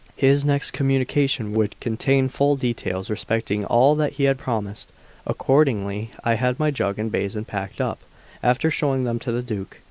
His next communication would contain full details respecting all that he had promised. Accordingly, I had my jug and basin packed up, after showing them to the Duke.